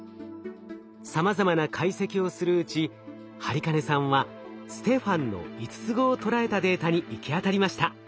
さまざまな解析をするうち播金さんはステファンの５つ子を捉えたデータに行き当たりました。